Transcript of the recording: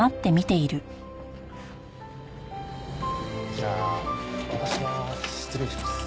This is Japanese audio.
じゃあ私は失礼します。